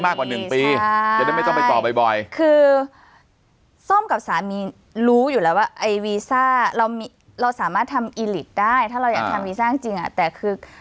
อยากทำวีซ่าจริงอะแต่คือ